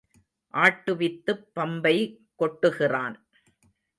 ஆட்டுவித்துப் பம்பை கொட்டுகிறான்.